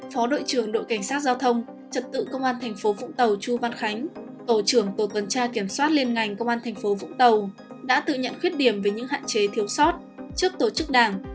phó đội trưởng đội cảnh sát giao thông trật tự công an thành phố vũng tàu chu văn khánh tổ trưởng tổ tuần tra kiểm soát liên ngành công an thành phố vũng tàu đã tự nhận khuyết điểm về những hạn chế thiếu sót trước tổ chức đảng